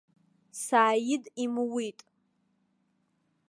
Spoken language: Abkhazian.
Сааид имуит.